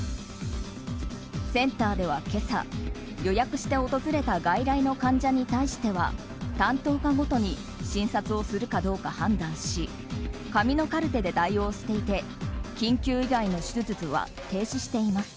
センターでは今朝予約して訪れた外来の患者に対しては担当課ごとに診察をするかどうか判断し紙のカルテで対応していて緊急以外の手術は停止しています。